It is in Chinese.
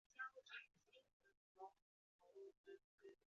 拉姆绍是奥地利下奥地利州利林费尔德县的一个市镇。